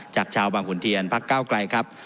จากชาวบางขุนเทียนพักเก้าไกลครับ